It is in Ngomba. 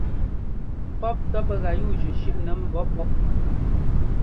Pɔ́p ntɔ́ pɛ́ gá yúujʉ́ shʉ́ꞌnɛ mbɔ̌ pɔ́p.